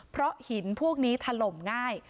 เพราะหินพวกนี้ถล่มง่าย